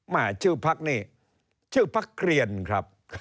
ชื่อพักนี่ชื่อพักเกลียนครับ